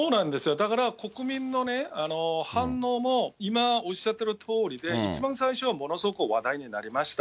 だから国民の反応も今、おっしゃってるとおりで、一番最初はものすごく話題になりました。